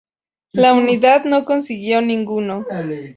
La Unidad no consiguió ninguno.